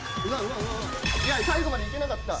最後まで行けなかった。